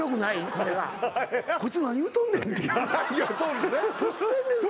これが「こいつ何言うとんねん」って突然ですよ